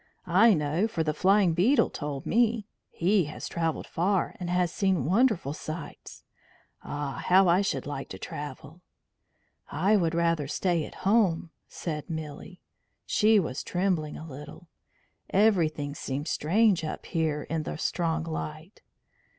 "I know, for the Flying Beetle told me. He has travelled far, and has seen wonderful sights. Ah! how I should like to travel!" "I would rather stay at home," said Milly. She was trembling a little; everything seemed strange up here in the strong light.